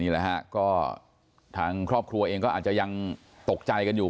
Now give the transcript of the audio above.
นะฮะก็ทางครอบครัวเองก็อาจจะยังตกใจกันอยู่